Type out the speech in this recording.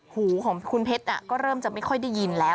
หูของคุณเพชรก็เริ่มจะไม่ค่อยได้ยินแล้ว